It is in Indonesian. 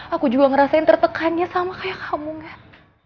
aku juga ngerasain tertekannya sama kayak kamu gak